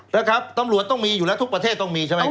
นะครับตำรวจต้องมีอยู่แล้วทุกประเทศต้องมีใช่ไหมครับ